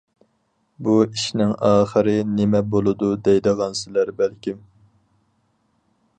بۇ ئىشنىڭ ئاخىرى نېمە بولىدۇ دەيدىغانسىلەر بەلكىم.